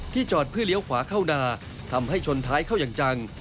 จอดเพื่อเลี้ยวขวาเข้านาทำให้ชนท้ายเข้าอย่างจัง